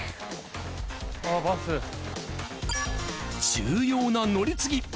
重要な乗り継ぎ。